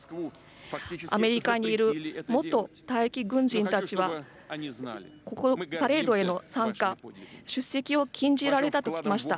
アメリカにいる元退役軍人たちはここ、パレードへの参加、出席を禁じられたと聞きました。